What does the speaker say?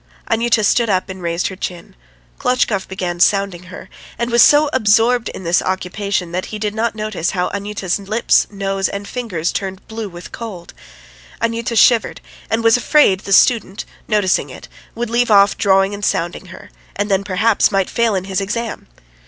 Anyuta stood up and raised her chin. Klotchkov began sounding her, and was so absorbed in this occupation that he did not notice how Anyuta's lips, nose, and fingers turned blue with cold. Anyuta shivered, and was afraid the student, noticing it, would leave off drawing and sounding her, and then, perhaps, might fail in his exam.